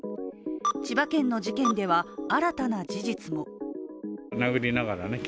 千葉県の事件では新たな事実も。